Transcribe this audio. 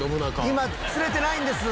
「今釣れてないんです」